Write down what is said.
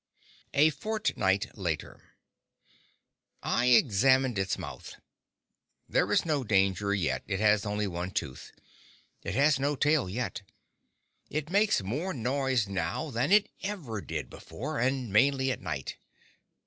A Fortnight Later I examined its mouth. There is no danger yet; it has only one tooth. It has no tail yet. It makes more noise now than it ever did before—and mainly at night.